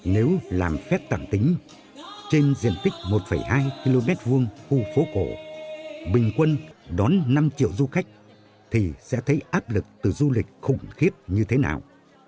nếu làm phép tẳng tính trên diện tích một hai km hai khu phố cổ bình quân đón năm triệu du khách thì sẽ thấy áp lực từ du lịch khủng khiếp như thế nào